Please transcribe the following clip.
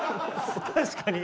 確かに。